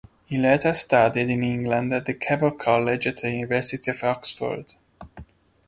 He later studied in England at Keble College at the University of Oxford.